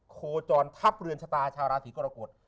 โคจรทัพเรือนชะตาชาวราศีกรกฎ